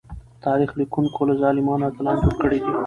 تاريخ ليکونکو له ظالمانو اتلان جوړ کړي دي.